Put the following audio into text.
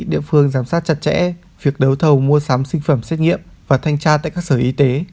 địa phương giám sát chặt chẽ việc đấu thầu mua sắm sinh phẩm xét nghiệm và thanh tra tại các sở y tế